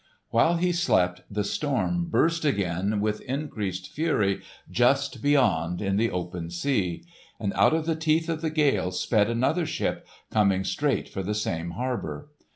While he slept, the storm burst again with increased fury just beyond, in the open sea; and out of the teeth of the gale sped another ship coming straight for the same harbour.